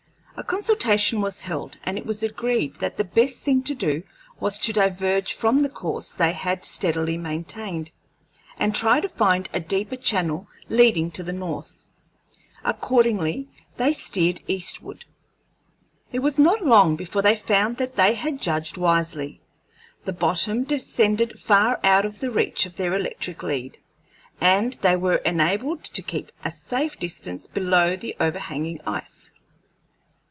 A consultation was held, and it was agreed that the best thing to do was to diverge from the course they had steadily maintained, and try to find a deeper channel leading to the north. Accordingly they steered eastward. It was not long before they found that they had judged wisely; the bottom descended far out of the reach of their electric lead, and they were enabled to keep a safe distance below the overhanging ice.